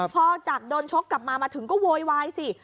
พอจากโดนชกกลับมามาถึงก็โวยวายสิ